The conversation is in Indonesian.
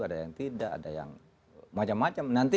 ada yang tidak ada yang macam macam nanti